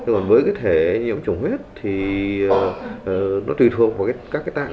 còn với cái thể nhiễm trùng huyết thì nó tùy thuộc vào các cái tạng